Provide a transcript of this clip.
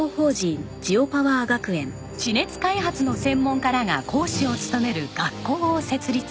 地熱開発の専門家らが講師を務める学校を設立。